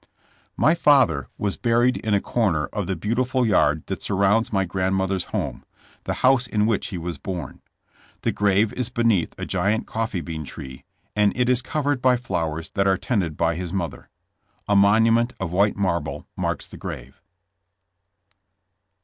My father was buried in a corner of the beauti ful yard that surrounds my grandmother's home, the house in which he was born. The grave is beneath a giant coffee bean tree, and it is covered by flowers that are tended by his mother. A monument of white marble marks the grave.